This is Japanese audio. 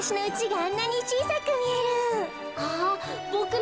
あ。